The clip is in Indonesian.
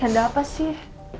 ada yang lo rencanain ya